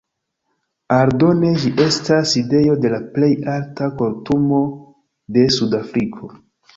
Aldone ĝi estas sidejo de la plej alta kortumo de Sudafriko.